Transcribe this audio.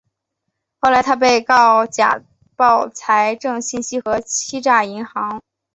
后来他被告假报财政信息和欺骗银行。